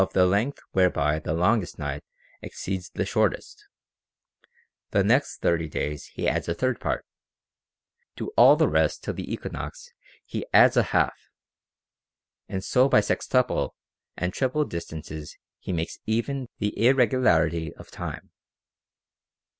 363 the length whereby the longest night exceeds the shortest ; the next thirty days he adds a third part ; to all the rest till the equinox he adds a half; and so by sextuple and triple distances he makes even the irregularity of time.